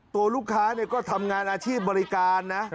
ตัวลูกค้าก็ทำงานอาชีพบริการนะ